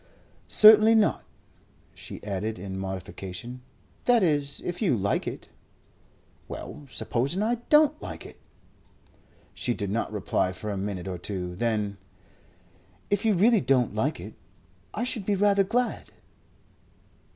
"Certainly not." She added in modification: "That is if you like it." "Well, supposing I don't like it?" She did not reply for a minute or two. Then: "If you really don't like it, I should be rather glad."